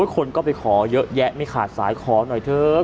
คนก็ไปขอเยอะแยะขอหน่อยเถอะ